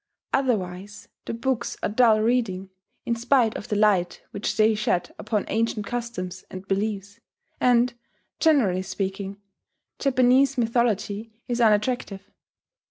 Otherwise the books are dull reading, in spite of the light which they shed upon ancient customs and beliefs; and, generally speaking, Japanese mythology is unattractive.